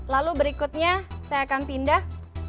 lalu berikutnya saya akan pindah